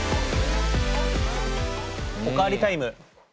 お代わりタイム。